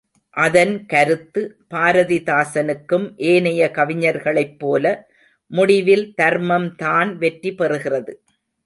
அதன் கருத்து பாரதிதாசனுக்கும் ஏனைய கவிஞர்களைப் போல முடிவில் தர்மம் தான் வெற்றி பெறுகிறது.